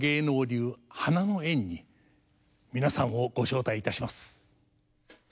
流花の宴に皆さんをご招待いたします。